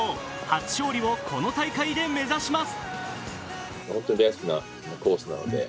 初勝利をこの大会で目指します。